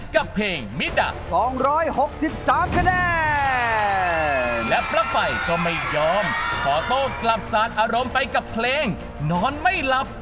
ขอโต๊ะกลับสารอารมณ์ไปกับเพลงนอนไม่หลับ